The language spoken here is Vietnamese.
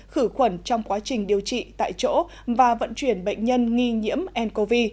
khử khuẩn trong quá trình điều trị tại chỗ và vận chuyển bệnh nhân nghi nhiễm ncov